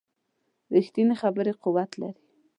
ریښتینې خبرې قوت لري